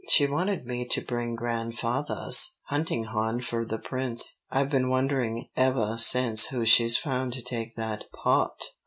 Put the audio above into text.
She wanted me to bring grandfathah's hunting hawn for the prince. I've been wondering evah since who she's found to take that paht."